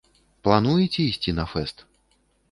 Плануеце ісці на фэст?